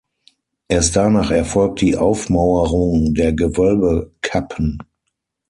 Erst danach erfolgt die Aufmauerung der Gewölbekappen.